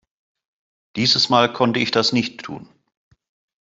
Dieses Mal konnte ich das nicht tun.